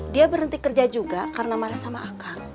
dia berhenti kerja juga karena marah sama aka